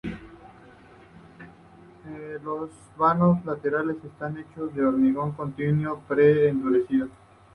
Los vanos laterales están hechos de hormigón continuo pre-endurecido.